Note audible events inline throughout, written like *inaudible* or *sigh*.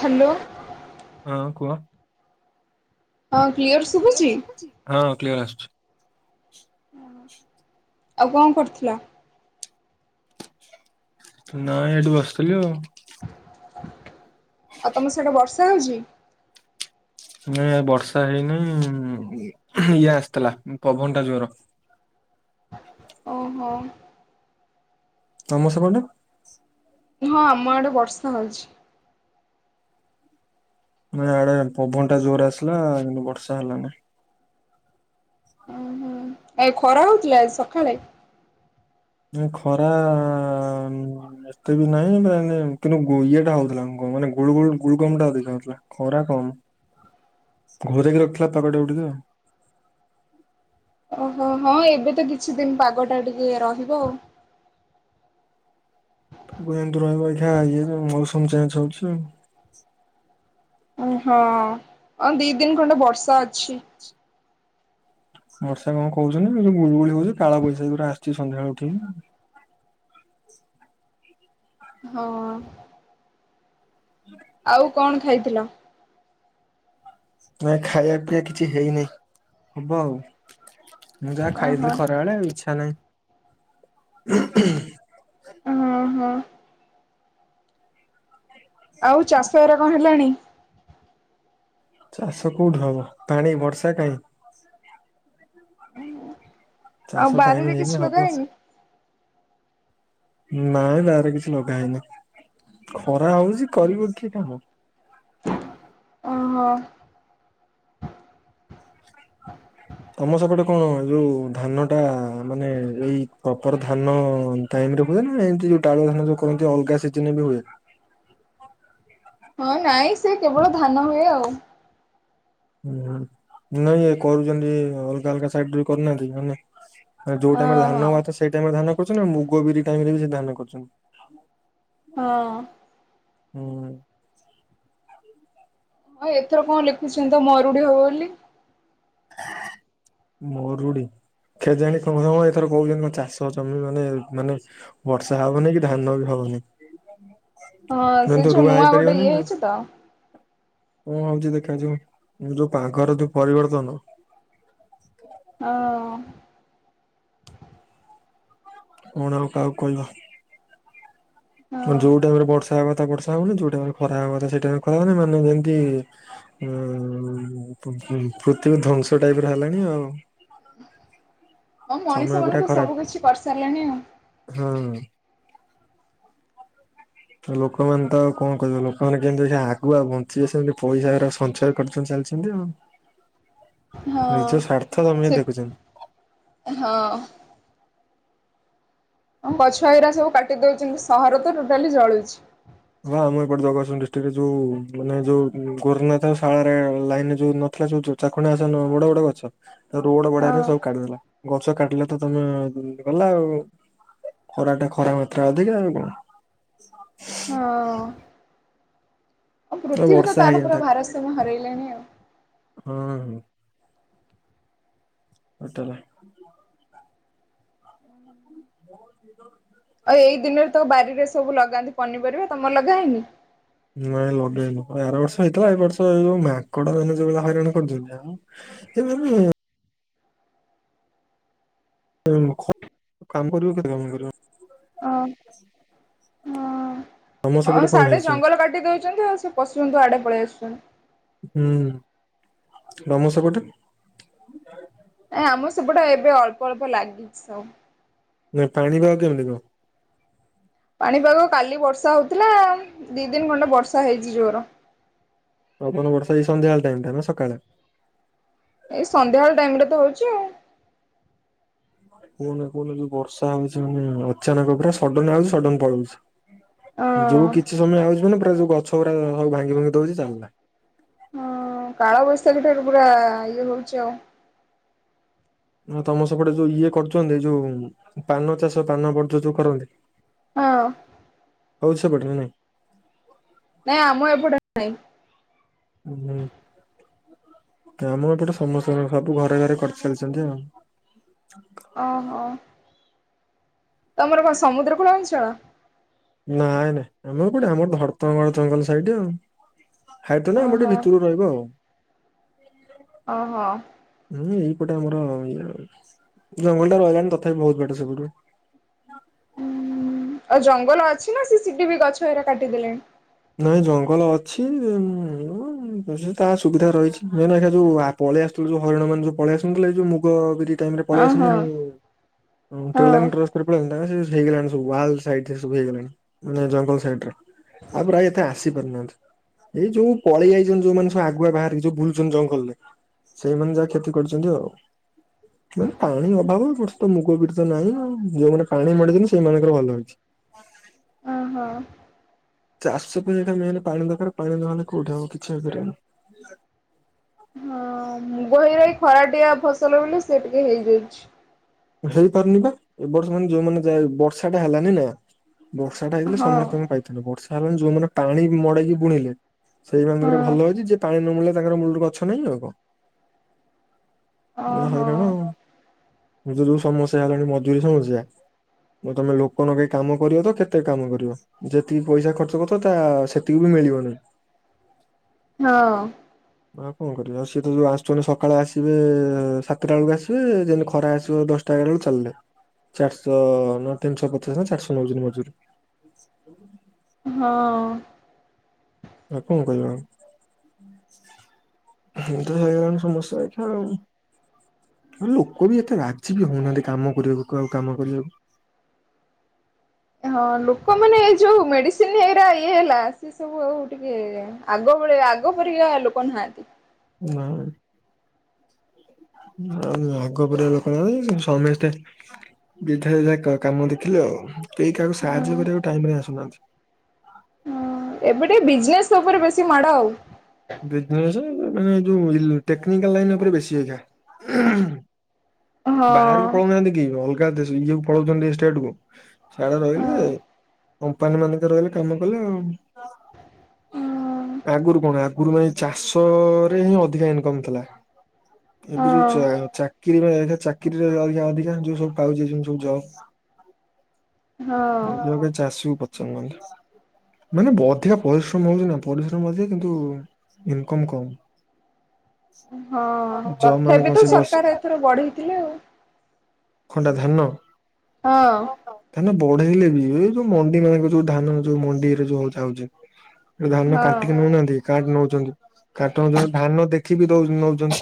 Hello. ହଁ କୁହ। Clear ହଁ କ୍ଳିଅର ଶୁଭୁଛି ଆସୁଛି। ଆଉ କଣ କରୁଥିଲା। ନାଇଁ ଏଇଠି ବସିଥିଲି ଆଉ। ଆଉ ତମର ସେଟା ବର୍ଷା ହଉଛି? ନ ବର୍ଷା ହେଇନି ଇଏ ଆସିଥିଲା ପବନଟା ଜୋର। ଓହୋ। ତମ ସେପଟେ ହଁ ଆମ ଆଡେ ବର୍ଷା ହଉଛି। ନା ଇଆଡେ ପବନ ଟା ଜୋର ଆସିଲା କିମୁ ବର୍ଷା ହେଲାନାଇ। ଓହୋ ଏ ଖରା ହଉଥିଲା ଆଜି ସଖାଳେ? ନାଇ ଖରାଆଁ ଏତେ ବି ନାହିଁ ମାନେ କିନ୍ତୁ ଗୁ ଇଏଟା ହଉଥିଲା ମାନେ ଗୁଳୁଗୁଳୁ ଗୁଳୁ ଗମଟା ଅଧିକା ହଉଥିଲା। ଖରା କମ ଘରେଇକି ରଖିଲା ପାଗଟା ଟିକେ ଆଉ। ଓହୋ ହଁ ଏବେ ତ କିଛି ଦିନ ପାଗଟା ଟିକେ ରହିବ ଆଉ। ତାକୁ ଯେମତି ରହିବା ଅପେକ୍ଷା ଇଏ ମଉସମ ଚେଞ୍ଜ ହଉଛି। ଉ ହଁ ଅ ଦି ଦିନ ଖଣ୍ଡେ ବର୍ଷା ଅଛି। ବର୍ଷା କଣ କହୁଛନ୍ତି ଯୋଉ ଗୁଳିଗୁଳି ହଉଛି କାଳ ବୈଶାଖୀ ଗୁରା ଆସିଛି ସନ୍ଧ୍ୟାବେଳେକୁ ଠିକ। ହଁ। ହୁଁ ଆଉ କଣ ଖାଇଥିଲ? ନାଇ ଖାଇବା ପିଇବା କିଛି ହେଇନି ହବ ଆଉ। ମୁଁ ଯାହା ଓହୋ ଖାଇଥିଲି ଖରା ବେଳେ ଆଉ ଇଚ୍ଛା ନାହିଁ। ହୁଁ ହଁ। ଆଉ ଚାଷ ହୋର କଣ ହେଲାଣି? ଚାଷ କେଉଁଠୁ ହେବ ପାଣି ବର୍ଷା କାହିଁ। ଆଉ ଚାଷ ଟାଇମ ବାରିରେ ହେଇନି କିଛି ହବ। ଲଗାହେଇନି ନାଇଁ ନାରେ କିଛି ଲଗା ହେଇନି ଖରା ହଉଛି କରିବ କିଏ କାମ। ଓହୋ। ତମ ସେପଟେ କଣ ଏ ଯୋଉ ଧାନ ଟା ମାନେ ଏଇ ପ୍ରପର ଧାନ ଟାଇମରେ ହୁଏ ନା ଏମତି ଯଉ ଟାଳ ଧାନ ଯଉ କରନ୍ତିଲଗା ସେଦିନ ବି ହୁଏ। ହଁ ନାଇଁ ସେ କେବଳ ଧାନ ହୁଏ ଆଉ। ହୁଁ ନାଇଁ ଏ କରୁଛନ୍ତି ଅଲଗା ଅଲଗା ସାଇଡରେ କରୁନାହାନ୍ତି ଧାନ। ଯୋଉ ହଁ ଟାଇମରେ ଧାନ ବାଛ ସେଇ ଟାଇମରେ ଧାନ କରୁଛନ୍ତିଉ ମୁଗ ବିରି ଟାଇମ ରେ ବି ସେ ଧାନ କରୁଛନ୍ତି? ହଁ। ହୁଁ। ହଁ ଏଥର କଣ ଲେଖୁଛନ୍ତି ତ ମରୁଡ଼ି ହବ ବୋଲି। ମରୁଡି? କେଜାଣି *unintelligible* ଏଥର କହୁଛନ୍ତି ଚାଷ ଜମି ମାନେ ମାନେ ବର୍ଷା ହବନି କି ଧାନ ବି ହବନି। ହଁ ମାନେ ସେ ତ ଯୋଉ ରୁଆ ନୂଆ ଗୋଟେ ଇଏ ହେଇଛି ତ। ହଁ ହଉଛି ଦେଖ ଯାଉ ଯୋଉ ପାଘର ଯୋଉ ପରିବର୍ତନ? ହଁ। କଣ ଆଉ କାହାକୁ କହିବା? ହଁ। ଯୋଉ ଟାଇମରେ ବର୍ଷା ହ କଥା ବର୍ଷା ହଉନି ଯୋଉ ଟାଇମରେ ଖରା ହ କଥା ସେ ଟାଇମ ଖରା ହବନ ମାନେ ଯେମିତି ଉ ପୃଥିବୀ ଧ୍ଵଂସ ଟାଇପ ର ହେଲାଣି ଆଉ। ହଁ ସମୟ ମଣିଷ ମାନେ ତ ସବୁ କିଛି କରିସାରିଲେଣି ଆଉ। ହୁଁ। ତ ଲୋକମାନେ ତ କଣ କହିବେ ଲୋକମାନେ କେମିତି ଦେ ଆଗୁଆ ବଞ୍ଚିବେ ସେମିତି ପଇସା ସଞ୍ଚୟ କରିଛନ୍ତି ଚାଲି। ଚନ୍ତୀ ଆଉ, ହଁ। ନିଜ ସ୍ୱାର୍ଥ ସମେତେ ସେ ଦେଖୁଛନ୍ତି। ହଁ। ହଁ ଗଛ ଏଇରା ସବୁ କାଟି ଦଉଛନ୍ତି ସହର ତ ଟୋଟାଲି ଜଳୁଛି। ହଁ ଆମ ଏପଟେ ଜଗସିଂ ଡିଷ୍ଟ୍ରିକରେ ଯୋଉ ମାନେ ଯୋଉ ଗୋରୁନାଥ ଶାଳାରେ ଲାଇନ ଯୋଉ ନଥିଲା ଯୋଉ ଚାକୁଣ୍ଡା ଗଛ ନୁହଁ ବଡ ବଡ ଗଛ ରୋଡ ହଁ ବଢେଇଆ ପାଇଁ ସବୁ କାଟଦେଲା। ଗଛ କାଟିଲେ ତ ତମେ ଗଲା ଆଉ। ଖରା ଟା ଖରା ମାତ୍ରା ଅଧିକା ଆଉ କଁ। ହଁ। ଆଉ ପୃଥିବୀ ବର୍ଷା ତାର ପୁରା ହେଇଯାନ୍ତା ଭାରସାମ୍ୟ ହରାଇଲେଣି ଆଉ। ହୁଁ। ଟୋଟାଲେ। *unintelligible* ଆଉ ଏଇ ଦିନରେ ତ ବାରିରେ ସବୁ ଲଗାନ୍ତି ପନିପରିବା ତମର ଲଗା ହେଇନି? ନାଇଁ ଲଗେଇନୁ ଆର ବର୍ଷ ହେଇଥିଲା ଏ ବର୍ଷ ଯଉ ମାଙ୍କଡ ମାନେ ଯୋ ଭଳିଆ ହଇରାଣ କରୁଛନ୍ତି ଆଉ *unintelligible* ଖ କାମ କରିବ କେତେ କାମ କରିବ? ଅ ତମ ଅ ଅ ସେପଟେ କଣ ସାଢ଼େ ହେଇଛି ସବୁ? ଜଙ୍ଗଲ କାଟି ଦେଉଛନ୍ତି ଆଉ ସବୁ ପଶୁ ଜନ୍ତୁ ଆଡ଼େ ପଳେଇ ଆସୁୁଚନ୍ତି। ହୁଁ ତମ ସେପଟେ ନାଇ ଆମ ସେପଟେ ଏବେ ଅଳ୍ପ ଅଳ୍ପ ଲାଗିଛି ସବୁ। ନା ପାଣି ପାଗ କେମିତି କଁ? ପାଣିପାଗ କାଲି ବର୍ଷା ହେଉଥିଲା ଦୁଇ ଦିନ ଖଣ୍ଡେ ବର୍ଷା ହେଇଛି ଜୋର। ଆପଣ ବର୍ଷା ଏଇ ସନ୍ଧ୍ୟାଳେ ଟାଇମ ଟା ନା ସକାଳେ? ଏଇ ସନ୍ଧ୍ୟାବେଳେ ଟାଇମ ରେ ତ ହଉଛି ଆଉ। କୁହନା କୁହନା ଯୋଉ ବର୍ଷା ଆମ ସେଣେ ଅଚାନକ ପୁରା ସଡନ ଆଉଛି ସଡନ ପଳଉଛି। ହଁ ଯୋଉ କିଛି ସମୟ ଆଉଚି ମାନେ ପୁରା ଯୋଉ ଗଛ ଗୁଡା ସବ ଭାଙ୍ଗି ଭୁଙ୍ଗି ଦଉଛି ଚାଲଲା। ହଁ କାଳବୈଶାଖୀ ଠାରୁ ପୁରା ଇଏ ହଉଛି ଆଉ। ତମ ସେପଟେ ଯୋଉ ଇଏ କରୁଛନ୍ତି ଯୋଉ ପାନ ଚାଷ ପାନ ବର୍ଜ୍ୟ ଯୋଉ କରନ୍ତି। ହଁ ହଉଚି ସେ ପଟେ ନା ନାଇଁ? ନାଇଁ ଆମ ଏପଟେ ନାହିଁ। ହୁଁ ଆମ ଏପଟେ ସମସ୍ତଙ୍କ ସବୁ ଘରେ ଘରେ କରିଚାଲିଛନ୍ତି ଆଉ। ଓ ହୋ। ତମର କଣ ସମୁଦ୍ର କୂଳ ଅଞ୍ଚଳ? ନାଇଁ ନାଇଁ ଆମ ଏପଟେ ଆମର ଧରତଙ୍ଗଡ ଜଙ୍ଗଲ ସାଇଟି ଆଉ। ହେଇ ତ ନା ଆମର ଓହୋ ଟିକେ ଭିତରକୁ ରହିବ ଆଉ। ଅ ହ। ହୁଁ ଏଇପଟେ ଆମର ଇ ଜଙ୍ଗଲ ଟା ରହିଲାଣି ତଥାପି ବହୁତ ବାଟ ସେପଟୁ। ଉଁ ଆଉ ଜଙ୍ଗଲ ଅଛି ନା ସି ସି ଟି ବି ଗଛ ଏରା କାଟିଦେଲେଣି? ନାଇଁ ଜଙ୍ଗଲ ଅଛି ତା ସୁବିଧା ରହିଛି ହେଇନା ଯୋଉ ପଳେଇ ଆସଥିଲୁ ଯଉ ହରିଣ ମାନେ ଯୋଉ ପଳେଇ ଆସୁଥିଲେ ଯଉ ମୁଗ ବିରି ସେଇ ଟାଇମ୍ ରେ ଓ ପଲେଇ ଆସ ହଁ ନ୍ତିନି ଟ୍ରେନ ଲାଇନ୍ ହଁ। କ୍ର *unintelligible* ହେଇଗଲାଣି ସବୁ *unintelligible* ହେଇଗଲାଣି ମାନେ ଜଙ୍ଗଲ ସାଇଟରେ। ଆଉ ପ୍ରାୟ ଏତେ ଆସି ପାରୁନାହାନ୍ତି। ଏଇ ଯୋଉ ପଳେଇ ଆଇଛନ୍ତି ଯୋଉମାନେ ସବୁ ଆଗୁଆ ବାହାରିକି ଯୋଉ ବୁଲୁଛନ୍ତି ଜଙ୍ଗଲରେ। ସେଇମାନେ ଯାହା କ୍ଷତି କରୁଛନ୍ତି ଆଉ। ମାନେ ପାଣି ଅଭାବ ବଟ ତ ମୁଗ ବିରି ନାହିଁ ଯୋଉମାନେ ପାଣି ମଡିଛନ୍ତି ସେଇମାନଙ୍କର ଭଲ ହେଇଚି। ଓହୋଃ। ଚାଷ ପାଇଁ ଏଟା ମେନ୍ ପାଣି ଦରକାର ପାଣି ନ ହେଲେ କୋଉଠି ହବ କିଛି ହେଇ ପାରିବନି। ହଁ *unintelligible* ଖରାଟିଆ ଫସଲ ବୋଲି ସେ ଟିକେ ହେଇଯାଇଛି। ହେଇପାରୁନି ପା ଏ ବର୍ଷ ମାନେ ଯୋଉମାନେ ଯା ବର୍ଷା ଟା ହେଲାନି ନା ବର୍ଷା ବର୍ଷାଟା ହେଇଥିଲେ ହଁ। ସମସ୍ତଙ୍କ ପାଇଥାନ୍ତା। ବର୍ଷା ହେଲାନି ଯୋଉମାନେ ପାଣି ବି ମଡ଼େଇକି ବୁଣିଲେ ସେଇମାନଙ୍କର ହଁ ଭଲ ହେଇଛି ଯେ ପାଣି ନ ମଡ଼େଇଲେ ତାଙ୍କର ମୂଳରୁ ଗଛ ନାହିଁ ଆଉ କଣ। ଓହୋଃ। ପୁଣି ତ ଯୋଉ ସମସ୍ୟା ହେଲାଣି ମଜୁରୀ ସମସ୍ୟା ତମେ ଲୋକ ନଗେଇ କାମ କରିବ ତ କେତେ କାମ କରିବ? ଯେତିକି ପଇସା ଖର୍ଚ୍ଚ କରିଥିବ ତା ସେତିକି ବି ମିଳିବନେଇ। ହଁ। ଆଉ କଣ କରିବା ଆଉ ସିଏ ତ ଯୋଉ ଆସୁଛନ୍ତି ସକାଳେ ଆସିବେ ସାତଟା ବେଳକୁ ଆସିବେ ଯେମିତି ଖରା ଆସିବ ଦଶଟା ଏଗାରଟା ବେଳେକୁ ଚାଲିଲେ ଚାରିଶହ ନା ତିନିଶହ ପଚାଶ ନା ଚାରିଶହ ନଉଛନ୍ତି ମଜୁରୀ। ହଁ। ଆଉ କଣ କହିବା ଆଉ। ଏନ୍ତି ତ ହେଇ ଗଲାଣି ସମସ୍ୟା ଏଇତ ଆଉ। ଆ ଲୋକ ବି ଏତେ ରାଜି ବି ହଉନାହାନ୍ତି କାମ କରିବାକୁ କ ଆଉ କାମ କରିବାକୁ। ହଁ ଲୋକ ମାନେ ଏ ଯୋଉ ମେଡ଼ିସିନ ହେଇରା ଇଏ ହେଲା ସବୁ ଆଉ ଟିକେ ଆଗ ଭଳି ଆଗ ପରିକା ଲୋକ ନାହାନ୍ତି। ନା। ଆଉ ଆଗ ପରିକା ଲୋକ ନାହାଁନ୍ତି। ସମେସ୍ତେ ଯେଝା ଯେଝା କାମ ଦେଖିଲେ ଆଉ। କେହି କାହାକୁ ସାହାଯ୍ୟ କରିବାକୁ ଟାଇମ ରେ ଆସୁନାହାଁନ୍ତି। ହଁ ଏବେ ଟିକେ ବିଜନେସ୍ ଉପରେ ବେଶୀ ମାଡ଼ ଆଉ। ବିଜନେସ୍ ଏ ଯୋଉ ଟେକନିକାଲ ଲାଇନ୍ ଉପରେ ବେଶୀ ଏଇକା। ବାହାରକୁ ହଁ। ପଳଉନାହାନ୍ତି କି ଅଲଗା ଦେଶ ଇଏ କୁ ପଳଉଛନ୍ତି ଷ୍ଟେଟ କୁ। ସିଆଡ଼େ ରହିଲେ ହଁ କମ୍ପାନୀ ମାନଙ୍କରେ ରହିଲେ କାମ କଲେ ଆଉ। ଆଗରୁ କଣ ଆ ଆଗରୁ ମାନେ ଚାଷ ରେ ହିଁ ଅଧିକା ଇନକମ ଥିଲା। ଏବେ ଯୋଉ ଚା ଚାକିରି ଚାକିରିରେ ଅଧିକା ଯୋଉ ସବୁଉଛି ଯେ ସବୁ ଜବ୍। *unintelligible* ହଁ *unintelligible* ମାନେ ଅଧିକା ପରିଶ୍ରମ ହଉଛି ନା ପରିଶ୍ରମ ଅଧିକ କିନ୍ତୁ ଇନକମ୍ କମ୍। ହଁ ଜବ ମାନେ ତଥାପି କଣ ତ ସେ ବସି ସରକାର ଏଥର ବଢ଼େଇଥିଲେ ଆଉ। କଣ ଟା ଧାନ? ହଁ। ଧାନ ବଢେଇଲେ ବି, ଏ ଯୋଉ ମଣ୍ଡି ମାନଙ୍କରେ ଯୋଉ ଧାନ ଯୋଉ ମଣ୍ଡିରେ ଯୋଉ ଯାଉଛି ହଁ ଧାନ କାଟିକି ହଁ ନେଉନାହାନ୍ତି କାଟି ନଉଛନ୍ତି କାଟି ନଉ ଧାନ ଦେଖିକି ବି ଦଉ ନେଉଛନ୍ତି।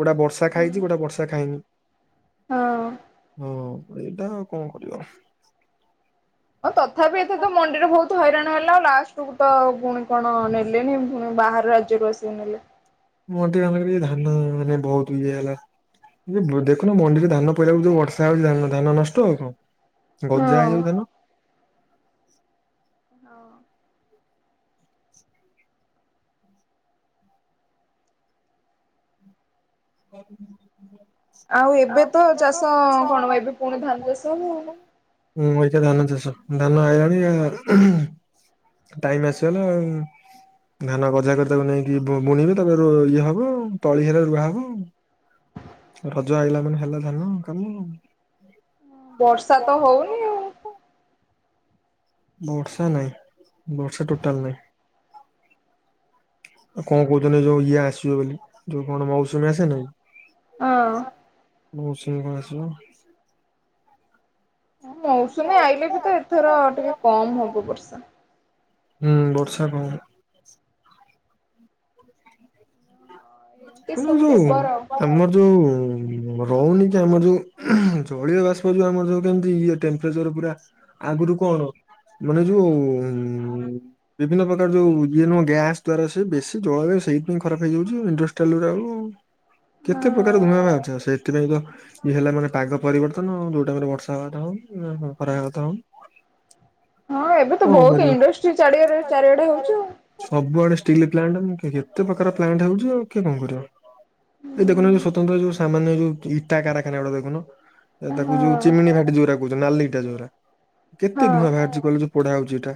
କୋଉଟା ବର୍ଷା ଖାଇଛି କୋଉଟା ବର୍ଷା ଖାଇନି। ହଁ। ହଁ ଏଇଟା କଣ କରିବ। ହ ତଥାପି ଏତେ ତ ମଣ୍ଡିରେ ବହୁତ ହଇରାଣ ହେଲା। ଆଉ ଲାଷ୍ଟ କୁ ତ ପୁଣି କଣ ନେଲେନି ବାହର ରାଜ୍ୟ ରୁ ଆସିକି ନେଲେ। ମଣ୍ଡି *unintelligible* ବି ଧାନରେ ମାନେ ବହୁତ ଇଏ ହେଲା। ଏ ଯେ ଦେଖୁନୁ ମଣ୍ଡିରେ ଧାନ ପଇଲାକୁ ଯୋଉ ବର୍ଷା ହଉଛି ଧାନ ନଷ୍ଟ ହଉନଥିବ ଗଜା ହଁ। ହେଇଯାଉଚି ଧାନ। ହଁ। *inaudible* *unintelligible* ଆଉ ଏବେ ତ ଚାଷ କଣ ବା ପୁଣି ଧାନ ଚାଷ ହବ। ହଁ ଏଇଖିନା ଧାନ ଚାଷ। ଧାନ ଆଇଲାଣି ଟାଇମ ଆସିଗଲା ଆଉ। ଧାନ ଗଜା କରି ତାକୁ ନେଇକି ବୁ ବୁଣିବି ତା ଇଏ ହବ ତଳି ହେଲେ ରୁଆ ହବ। ରଜ ଆଇଲା ମାନେ ହେଲା ଧାନ କାମ। ବର୍ଷା ତ ହଉନି। ଆଉ ବର୍ଷା ନାଇଁ ବର୍ଷା ଟୋଟାଲ ନାହିଁ। ଆଉ କଣ କହୁଛନ୍ତି ଯୋଉ ଇଏ ଆସିବେ ବୋଲି ଯୋଉ କଣ ମୌସୁମୀ ଆସେ ନେଇ। ହଁ। ମୌସୁମୀ କଣ ଆସିବ। ମୌସୁମୀ ଆଇଲେ ବି ତ ଏଥର ଟିକେ କମ ହବ ବର୍ଷା। ହୁଁ ବର୍ଷା କମ୍ ଏମିତି ହୁଁ ସବୁ ହୁଁ। ଖବର ଆଉ ଆମର ଯଉ ରହୁନି କି ଆମର ଯୋଉ ଜଳୀୟ ବାଷ୍ପ ଯେଉ ଆମର ଯୋଉ କେମିତି ଇଏ ଟେ ତେମ୍ପ୍ରେଚର ପୁରା ଆଗରୁ କଣ ମାନେ ଯୋଉ ବିଭିନ୍ନ ପ୍ରକାର ଯୋଉ ଇଏ ନୁହଁ ଗ୍ୟାସ ଦ୍ଵାରା ସେ ବେଶୀ ଜଳ ସେଇଥିପାଇଁ ଖରାପ ହେଇଯାଉଛି ଇଣ୍ଡଷ୍ଟ୍ରି *unintelligible* କେତେ ପ୍ରକାର ହଁ। ଧୂଆଁ ବାହାରୁଚି ଆଉ ସେଥିପାଇଁ ତ ଇଏ ହେଲା ମାନେ ପାଗ ପରିବର୍ତ୍ତନ ଯୋଉ ଟାଇମ ରେ ବର୍ଷା ହବା କଥା ହଉନି ଖରା ହେବା କଥା ହଉନି। ହଁ ଏବେ ତ କଣ ବହୁତ କରିବ ଇଣ୍ଡଷ୍ଟ୍ରି ଚାରିଆ ଚାରିଆଡେ ହଉଛି। ସବୁଆଡେ ଷ୍ଟିଲ ପ୍ଲାଣ୍ଟ ମୁ କେତେ ପ୍ରକାର ପ୍ଲାଣ୍ଟ ହଉଛି ଆଉ କିଏ କଣ କରିବ। ଏଇ ଦେଖୁନ ଏଇ ସ୍ୱତନ୍ତ୍ର ଏ ଯୋଉ ସାମାନ୍ୟ ଯୋଉ ଇଟା କାରଖାନା ଗୁଡା ଦେଖୁନ। ହଁ ତାକୁ ଯୋଉ ହଁ। ଚିମିନି ଭାଟି ଯୋରା କହୁଛନ୍ତି ନାଲି ଇଟା ଯୋଉରା। କେତେ ଧୂଆଁ ହଁ ବାହାରୁଛି କହିଲ ଯୋଉ ପୋଡ଼ା ହଉଛି ଇଟା।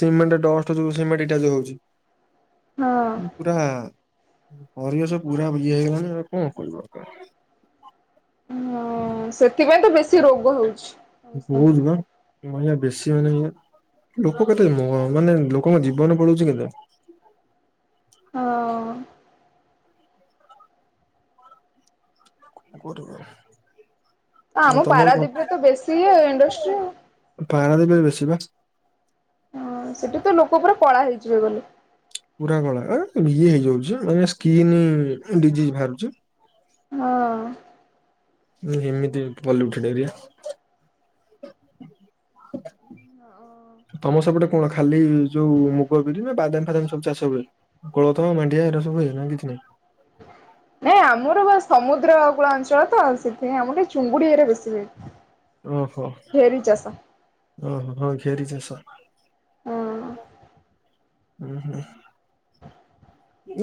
ସିମେଣ୍ଟ ଡଷ୍ଟ ଯୋଉ ସିମେଣ୍ଟ ଇଟା ଯୋଉ ହଉଛି। ହଁ। ପୁରା ପରିିବେଶ ପୁରା ଇଏ ହେଇଗଲାଣି କଣ କହିବ କାହାକୁ। ହଁ ସେଥିପାଇଁ ତ ବେଶୀ ରୋଗ ହଉଛି। ସମସ୍ତଙ୍କୁ *unintelligible* ତମ୍ ଭଳିଆ ବେଶୀ ମାନେ ଇଏ ଲୋକ କେତେ ମାନେ ଲୋକଙ୍କ ଜୀବନ ପଳଉଛି କେତେ। ହଁ। *unintelligible* କରିବ। ଆମ ପାରାଦ୍ୱୀପ ରେ ତ ବେଶୀ ଆଉ ଇଣ୍ଡଷ୍ଟ୍ରି। ପାରାଦ୍ଵୀପ ରେ ବେଶୀ ବା। ହଁ ସେଠି ତ ଲୋକ ପୁରା କଳା ହେଇଯିବେ ଗଲେ। ପୁରା କଳା ଏ ଇଏ ହେଇଯାଉଛି ମାନେ ସ୍କିନ୍ ଡିଜିଜ ବାହାରୁଛି। ହଁ। ଏମିତି ପଲୁଟେଡେ ଏରିଆ। ତମ ସେପଟେ କଣ ଖାଲି ଯୋଉ ମୁଗ ବିରି ନା ବାଦାମ ଫାଦାମ ସବୁ ଚାଷ ହୁଏ? କୋଳଥ ମାଣ୍ଡିଆ ଏରା ସବୁ ହୁଏ ନାଁ କିଛି ନାଇଁ? ନାଇଁ ଆମର ବା ସମୁଦ୍ର କୂଳ ଅଞ୍ଚଳ ତ ସେଥିପାଇଁ ଆମର ଖାଲି ଚୁଙ୍ଗୁଡି ଏରେ ବେଶୀ ହୁଏ। ଓହୋ ଢେରି ଚାଷ ଓ ହୋ ହ ଘେରି ଚାସ। ଉଁ ହୁଁ।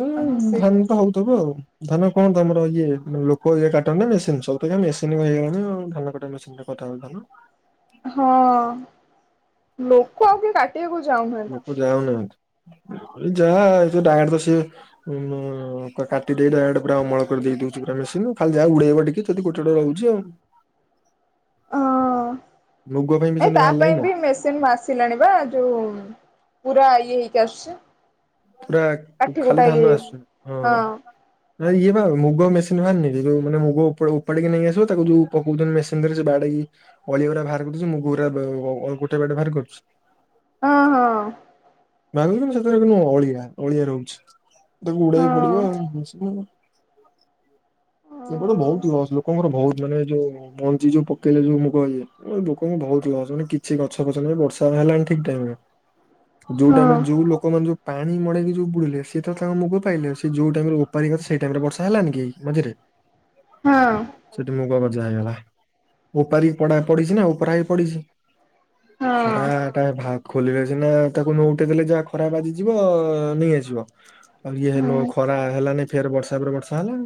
ଉଁ ହଁ ସେ ଧାନ ତ ହଉଥିବ ଆଉ? ଧାନ କଣ ତମର ଇଏ ଲୋକ ଯାଇ କାଟନ୍ତି ନା ମେସିନ ସବୁ ଏନା ମେସିନ ହେଇଗଲାଣି ଆଉ ଧାନ କାଟେ ମେଶି *unintelligible* ଧାନ। ହଁ ଲୋକ ଆଉ ବି କା ଆ ଯାଉ ନାହାନ୍ତି ଏଇ ଯାହା। *unintelligible* ଉଁ କାଟି ଡାଇରେକ୍ଟ ପୁରା ଅମଳ କରିଦେଇ ଦେଇଦଉଛି ପୁରା ମେସିନ ଖାଲି ଯାହା ଉଡେଇବ ଟିକେ ଯଦି ଗୋଟେ ଗେଟେ ରହୁଛି ଆଉ। ହଁ ମୁଗ ପାଇଁ ବି ଏ ସେମିତି ତା ବାହାରିଲାଣି ପାଇଁ ନା ବି ମେସିନ୍ ଆସ ସିଲାଣିି ପା ଯୋଉ ପୁରା ଇଏ ହେଇକି ଆସୁଛି। ପୁରା କାଠି କୁଟା ଖାଲି ଇଏ ଧାନ ଆସୁଛି ହଁ। ହେରା ଇଏ ନା ଆଉ ମୁଗ ମେସିନ ଭାନିକି ଯୋଉ ମାନ ମୁଗ ଉପ ଉପାଡିକି ନେଇ ଆସିବ ତାକୁ ଯୋଉ ପକଉଛନ୍ତି ମେସି ପୁଣି ଥରେ ସେ ବାଡେଇ ଅଳିଆ ଗୁରା ଭାଇର କରିଉଛି ମୁଁ ଗୋରା ଅ ଗୋଟେ ବାଟେ ବାହାର କରୁଛି। ହଁ ହଁ। ଭଙ୍ଗିବୁନି ସେଥେରେ ଖାଲି ଅଳିଆ ଅଳିଆ ରହୁଛି ତାକୁ ଉଡେଇ ହଁ। ପଡିବ ଆଉ। ଏବେ ଟେ ଭଉତ୍ ଲସ୍ ଲୋକଙ୍କର ଭଉତ୍ ମାନେ ଯୋଉ ମଞ୍ଚି ଯୋଉ ପକେଇଲେ ଯୋଉ ମୁଗ ଇଏ ଲୋକଙ୍କୁ ବହୁତ୍ ଲସ୍ ମାନେ କିଛି ଗଛ ଫଛ ନାହିଁ ବର୍ଷା ହେଲାଣି ଠିକ୍ ଟାଇମ୍ ରେ ଯୋଉ ହଁ ଟାଇମ୍ ରେ ଯୋଉ ଲୋକ ମାନେ ଯୋଉ ପାଣି ମଡେଇକି ଯୋଉ ବୁଣିଲେ ସେ ତ ତାଙ୍କ ମୁଗ ପାଇଲେ ସେ ଯୋଉ ଟାଇମ୍ ରେ ଓ ଓପାରିବାରେ ସେଇ ଟାଇମ୍ ରେ ବର୍ଷା ହେଲା ନି କି ମଝିରେ। ହଁ। ସେଠି ମୁଗଗଜା ହେଇଗଲା ଉପାରିକି ପଡା ପଡିଛି ନାଁ ଉପରା ହେଇକି ପଡିଛି। ହଁ ଖରା ଟା ଭା ଖୋଲିଲେ ସିନା ତାକୁ ନ ଉଟେଇ ଦେଲେ ଯା ଖରା ବାଜିଯିବ ନେଇଆସିବ। ଆଉ ଇଏ ହେ ନୁ ହଁ। ଖରା ହେଲାନେଇ ଫେର ବର୍ଷା ପରେ ବର୍ଷା ହେଲା ଆଉ।